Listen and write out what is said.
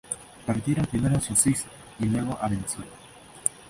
Partieron primero hacia Suiza y luego a Venezuela.